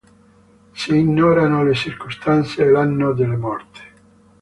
Si ignorano le circostanze e l'anno della morte.